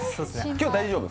今日は大丈夫？